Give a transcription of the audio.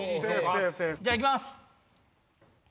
じゃあ行きます。